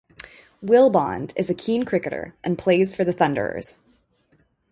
Willbond is a keen cricketer and plays for the Thunderers.